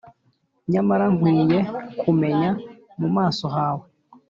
nyamara nkwiye kumenya mu maso hawe!